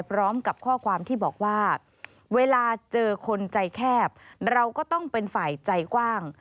พร้อมกับข้อความที่บอกว่าเวลาเจอคนใจแคบเราก็ต้องเป็นฝ่ายใจกว้าง